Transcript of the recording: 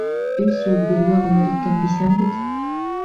Өс йыл бергә ғүмер иткән бисәң бит.